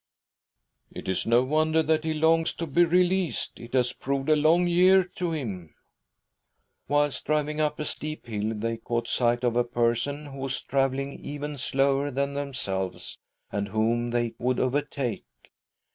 • "It is no wonder that he longs to be released. It has proved a long year to him." Whilst driving up a steep hill, they caught sight of a person who was travelling even slower than themselves, and whom they would overtake.